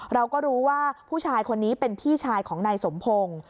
เราก็รู้ว่าผู้ชายคนนี้เป็นพี่ชายของนายสมพงศ์